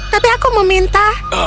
tapi aku meminta